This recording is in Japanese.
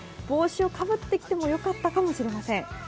帽子をかぶってきてもよかったかもしれません。